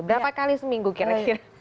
berapa kali seminggu kira kira